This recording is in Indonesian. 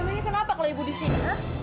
memangnya kenapa kalau ibu disini